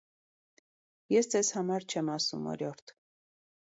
- Ես ձեզ համար չեմ ասում, օրիորդ: